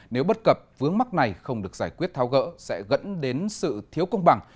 nếu bất cập vướng mắc này không được giải quyết thao gỡ sẽ gẫn đến sự thiếu công bằng